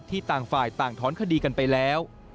ต่างฝ่ายต่างถอนคดีกันไปแล้ว